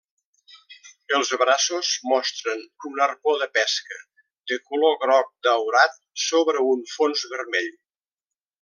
Els braços mostren un arpó de pesca de color groc daurat sobre un fons vermell.